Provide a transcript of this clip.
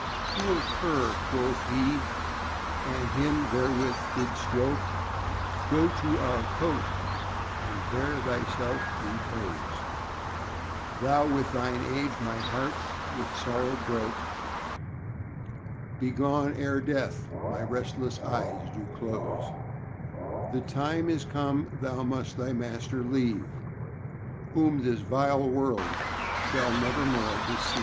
Poor cur, quoth he, and him therewith did stroke, Go to our cote and there thyself repose; Thou with thine age my heart with sorrow broke. Begone ere death my restless eyes do close; The time is come thou must thy master leave, Whom this vile world shall never more deceive.